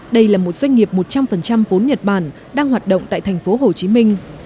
đây là một doanh nghiệp một trăm linh vốn nhật bản đang hoạt động tại thành phố hồ chí minh